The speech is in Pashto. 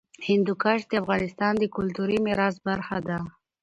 هندوکش د افغانستان د کلتوري میراث برخه ده.